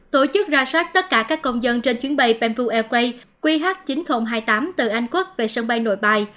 tổ chức ra soát tất cả các công dân trên chuyến bay pampoo airways qh chín nghìn hai mươi tám từ anh quốc về sân bay nội bài